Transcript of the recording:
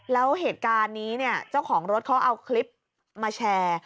แล้วเหตุการณ์นี้เนี่ยเจ้าของรถเขาเอาคลิปมาแชร์